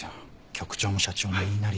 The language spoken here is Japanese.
局長も社長の言いなりで。